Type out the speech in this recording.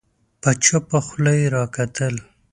په چوپه خوله يې راکتل